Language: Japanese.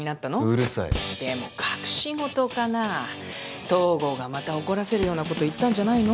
うるさいでも隠し事かな東郷がまた怒らせるようなこと言ったんじゃないの？